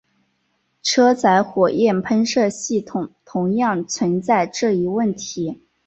车载火焰喷射系统同样存在这一问题。